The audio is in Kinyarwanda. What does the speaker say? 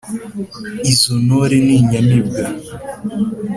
izo ntore ni inyamibwa